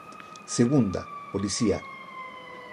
Segunda: Policía.